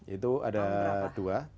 itu ada dua